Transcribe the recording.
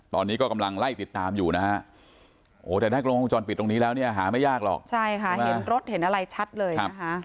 ตอนนี้ก็กำลังไล่ติดตามอยู่นะฮะโอ้แต่ถ้ากล้องวงจรปิดตรงนี้แล้วเนี่ยหาไม่ยากหรอกใช่ค่ะเห็นรถเห็นอะไรชัดเลยนะคะ